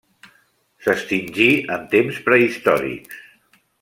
S'extingí en temps prehistòrics.